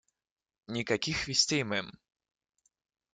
Никаких вестей, мэм.